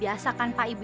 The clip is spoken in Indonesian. mas aku mau ke rumah